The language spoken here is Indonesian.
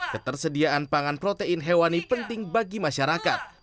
ketersediaan pangan protein hewani penting bagi masyarakat